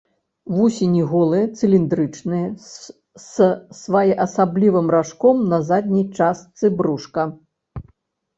Вусені голыя, цыліндрычныя, з своеасаблівым ражком на задняй частцы брушка.